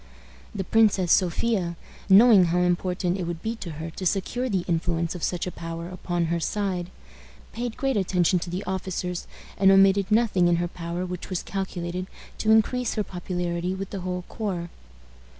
The Princess Sophia, knowing how important it would be to her to secure the influence of such a power upon her side, paid great attention to the officers, and omitted nothing in her power which was calculated to increase her popularity with the whole corps.